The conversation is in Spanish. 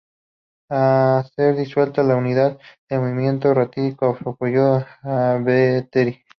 Al ser disuelta la Unidad, el movimiento ratificó su apoyo a Viteri.